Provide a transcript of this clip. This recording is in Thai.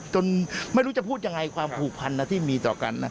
จนไม่รู้จะพูดอย่างไรความผูกพันธุ์ที่มีต่อกันนะ